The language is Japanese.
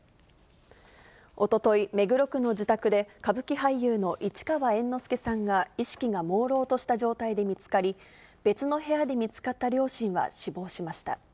おととい、目黒区の自宅で、歌舞伎俳優の市川猿之助さんが、意識がもうろうとした状態で見つかり、別の部屋で見つかった両親は死亡しました。